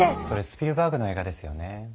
それスピルバーグの映画ですよね。